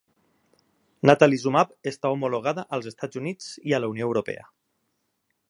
Natalizumab està homologada als Estats Units i a la Unió Europea.